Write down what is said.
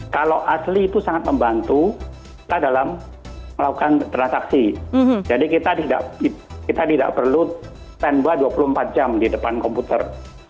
kalau asli itu sangat membantu kita dalam melakukan transaksi jadi kita tidak perlu stand by dua puluh empat jam di depan komputer